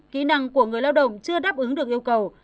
kỹ năng của người lao động chưa đáp ứng được yêu cầu